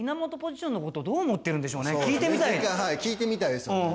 はい聞いてみたいです。